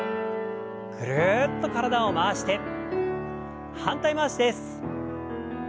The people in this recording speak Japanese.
ぐるっと体を回して反対回しです。